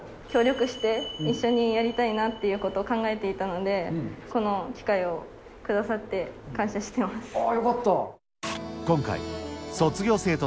協力して、一緒にやりたいなっていうことを考えていたので、この機会をくださって、感謝してます。